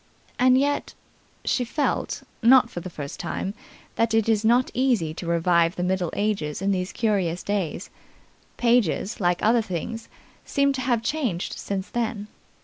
And yet she felt not for the first time that it is not easy, to revive the Middle Ages in these curious days. Pages like other things, seem to have changed since then.